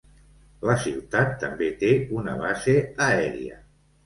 La ciutat també té una base aèria.